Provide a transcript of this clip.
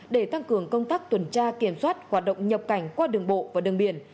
để tăng cường công tác tuần tra kiểm soát hoạt động nhập cảnh qua đường bộ và đường biển